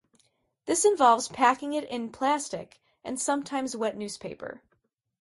This involves packing it in plastic and sometimes wet newspaper.